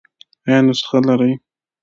ایا نسخه لرئ؟